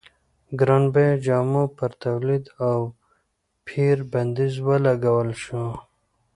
ګران بیه جامو پر تولید او پېر بندیز ولګول شو.